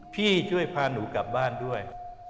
พี่ช่วยพาหนูกลับบ้านด้วย